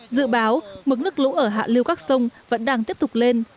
dự báo mực nước lũ ở hạ liêu các sông vẫn đang tiếp tục lên